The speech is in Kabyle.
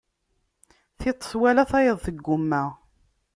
Tiṭ twala tayeḍ teggumma.